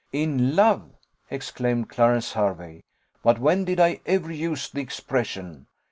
"In love!" exclaimed Clarence Hervey; "but when did I ever use the expression?